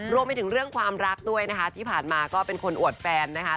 รวมไปถึงเรื่องความรักด้วยนะคะที่ผ่านมาก็เป็นคนอวดแฟนนะคะ